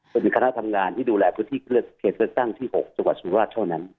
เป็นคณะทำงานที่ดูแลพื้นที่เครื่องเครื่องสร้างที่๖สุขสุภาพชั่วนั้น